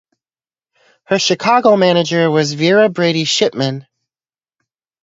Her Chicago manager was Vera Brady Shipman.